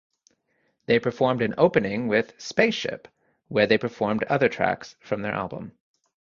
They performed an opening with "Spaceship" where they performed other tracks from their album.